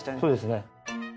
そうですね。